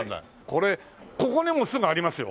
これここにもうすぐありますよ。